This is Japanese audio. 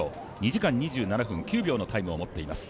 ２時間２７分９秒のタイムを持っています。